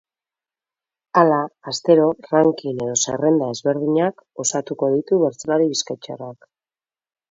Hala, astero, ranking edo zerrenda ezberdinak osatuko ditu bertsolari bizkaitarrak.